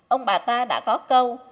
ông bà ta đã có câu